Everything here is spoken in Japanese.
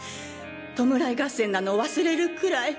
弔い合戦なのを忘れるくらい。